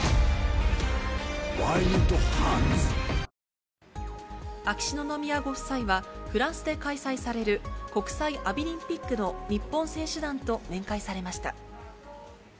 本麒麟秋篠宮ご夫妻は、フランスで開催される国際アビリンピックの日本選手団と面会されました。